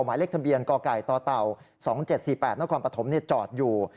หมายเลขทะเบียนกไก่ต่อเต่า๒๗๔๘นครปฐมจอดอยู่